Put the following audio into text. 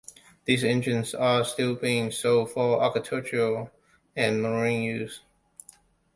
These engines are still being sold for agricultural and marine use.